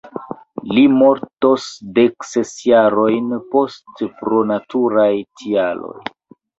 Li mortos dek ses jarojn poste pro naturaj tialoj.